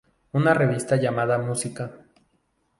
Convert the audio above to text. Una revista llamada "Música.